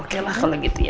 oke lah kalau gitu ya